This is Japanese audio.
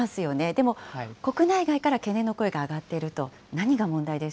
でも、国内外から懸念の声が上がっていると。